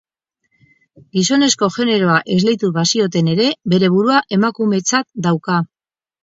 Gizonezko generoa esleitu bazioten ere, bere burua emakumetzat dauka.